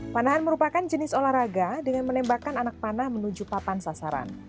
panahan merupakan jenis olahraga dengan menembakkan anak panah menuju papan sasaran